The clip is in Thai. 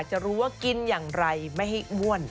คุณชอบกินอย่างไรไม่ให้อ้วน